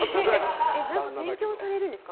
勉強されるんですか？